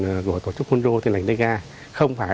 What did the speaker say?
của số đối tượng của tổ chức hunro tên lành lê nga